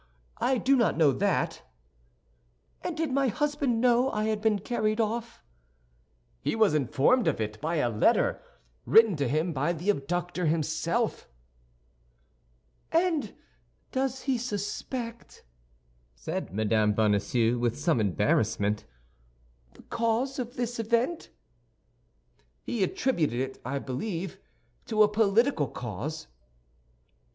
I do not know that." "And did my husband know I had been carried off?" "He was informed of it by a letter, written to him by the abductor himself." "And does he suspect," said Mme. Bonacieux, with some embarrassment, "the cause of this event?" "He attributed it, I believe, to a political cause."